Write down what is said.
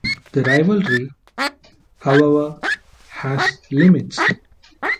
The rivalry, however, has limits.